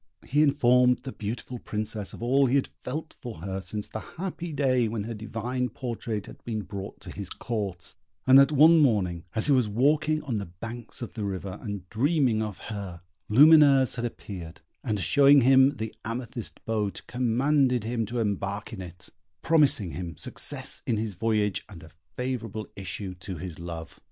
He informed the beautiful Princess of all he had felt for her since the happy day when her divine portrait had been brought to his Court, and that one morning as he was walking on the banks of the river, and dreaming of her, Lumineuse had appeared, and, showing him the amethyst boat, commanded him to embark in it, promising him success in his voyage and a favourable issue to his love.